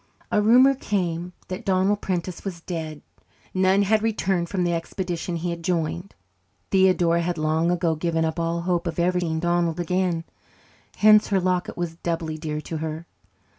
A rumour came that Donald Prentice was dead. None had returned from the expedition he had joined. Theodora had long ago given up all hope of ever seeing Donald again. Hence her locket was doubly dear to her.